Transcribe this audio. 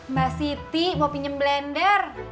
mbak siti mau pinjam blender